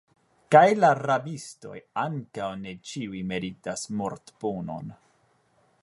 Kaj la rabistoj ankaŭ ne ĉiuj meritas mortpunon.